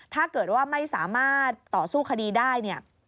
ถ้าเกิดว่าไม่สามารถต่อสู้คดีได้เนี่ย